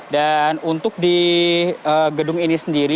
dan untuk di gedung ini sendiri